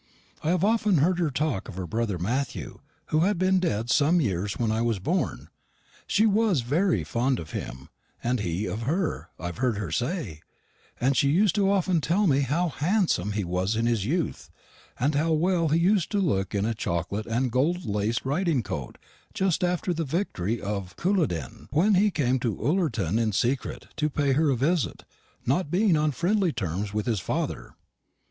I've often heard her talk of her brother Matthew, who had been dead some years when I was born. She was very fond of him, and he of her, I've heard her say; and she used often to tell me how handsome he was in his youth; and how well he used to look in a chocolate and gold laced riding coat, just after the victory of Culloden, when he came to Ullerton in secret, to pay her a visit not being on friendly terms with his father."